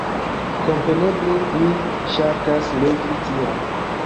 Kompreneble mi ŝatas legi tion